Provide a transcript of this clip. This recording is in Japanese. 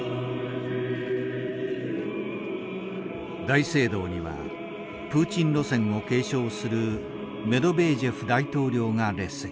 大聖堂にはプーチン路線を継承するメドベージェフ大統領が列席。